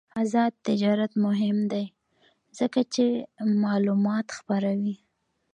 آزاد تجارت مهم دی ځکه چې معلومات خپروي.